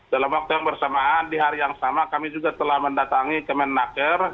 dalam waktu yang bersamaan di hari yang sama kami juga telah mendatangi kemenaker